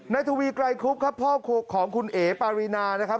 ทวีไกรคุบครับพ่อของคุณเอ๋ปารีนานะครับ